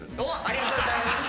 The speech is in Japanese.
ありがとうございます。